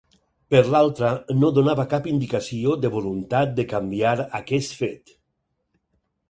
Per l'altra, no donava cap indicació de voluntat de canviar aquest fet.